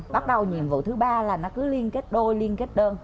bắt đầu nhiệm vụ thứ ba là nó cứ liên kết đôi liên kết đơn